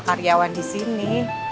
semua karyawan disini